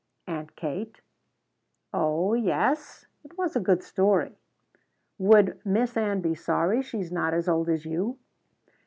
"Aunt Kate?" "Oh yes?" It was a good story. "Would Miss Ann be sorry she's not as old as you?"